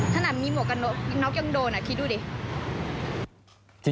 ถ้าหนักมีหมวกกับนกนกยังโดนอ่ะคิดดูดิ